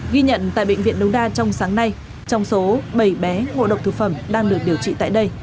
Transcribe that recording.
ghi nhận tại bệnh viện đống đa trong sáng nay trong số bảy bé ngộ độc thực phẩm đang được điều trị tại đây